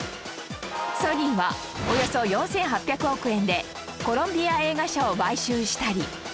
ソニーはおよそ４８００億円でコロンビア映画社を買収したり